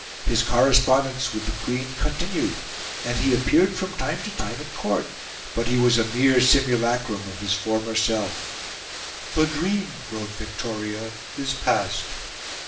His correspondence with the Queen continued, and he appeared from time to time at Court; but he was a mere simulacrum of his former self; "the dream," wrote Victoria, "is past."